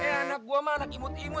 eh anak gue mah anak imut imut